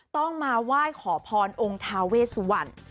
ต้องมาไหว้ขอพรองค์ทาเวสวัน